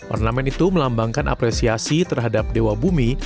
ornamen itu melambangkan apresiasi terhadap dewa bumi